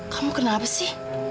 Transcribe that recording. kamu kenapa sih